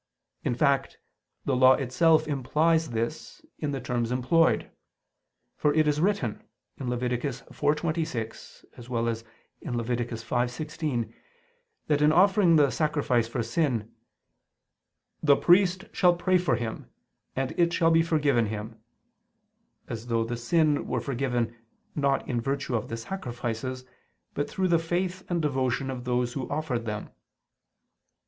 In fact, the Law itself implies this in the terms employed: for it is written (Lev. 4:26; 5:16) that in offering the sacrifice for sin "the priest shall pray for him ... and it shall be forgiven him," as though the sin were forgiven, not in virtue of the sacrifices, but through the faith and devotion of those who offered them.